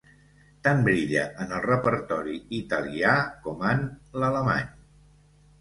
Tant brilla en el repertori italià com en l'alemany.